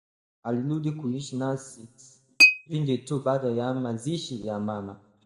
Alirudi kuishi nasi pindi tu baada ya mazishi ya mama